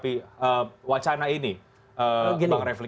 apa yang harus menyikapi wacana ini bang refli